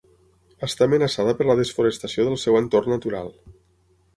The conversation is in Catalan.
Està amenaçada per la desforestació del seu entorn natural.